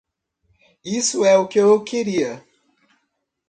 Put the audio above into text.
Isso é o que eu queria.